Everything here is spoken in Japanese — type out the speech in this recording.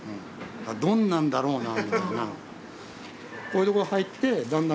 どんなんだろうなみたいな。